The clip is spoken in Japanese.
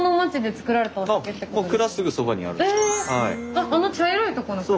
あっあの茶色いとこの蔵？